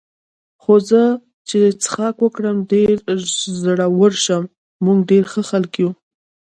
خو زه چې څښاک وکړم ډېر زړور شم، موږ ډېر ښه خلک یو.